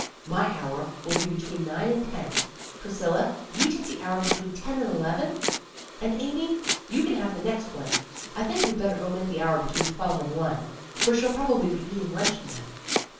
My hour will be between nine and ten. Priscilla, you take the hour between ten and eleven; and Amy, you can have the next one. I think we'd better omit the hour between twelve and one, for she'll probably be eating luncheon then.